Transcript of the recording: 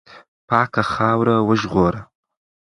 پاکه خاوره وژغوره.